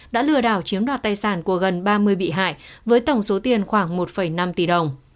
đã lừa đảo chiếm đoạt tài sản của gần ba mươi bị hại với tổng số tiền khoảng một năm tỷ đồng